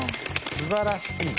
すばらしい。